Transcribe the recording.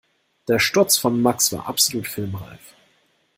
Der Sturz von Max war absolut filmreif.